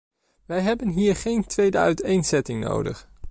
Wij hebben hier geen twee uiteenzettingen nodig.